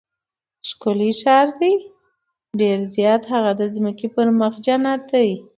ښکلی ښار دی؟ ډېر زیات، هغه د ځمکې پر مخ جنت دی.